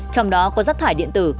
trong đó có rác thải điện tử